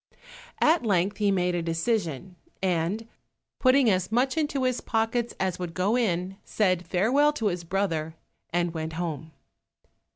At length he made a decision, and putting as much into his pockets as would go in, said farewell to his brother, and went home.